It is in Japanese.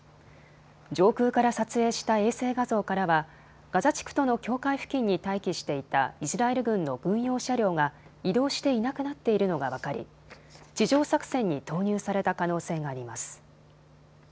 上空から撮影した衛星画像からはガザ地区との境界付近に待機していたイスラエル軍の軍用車両が移動していなくなっているのが分かり地上作戦に投入された可能性があります。